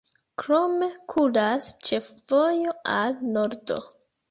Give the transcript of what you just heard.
Krome kuras ĉefvojo al nordo.